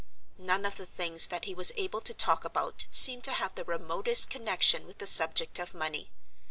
None of the things that he was able to talk about seemed to have the remotest connection with the subject of money.